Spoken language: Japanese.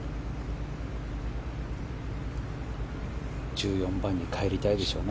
１４番に帰りたいでしょうね。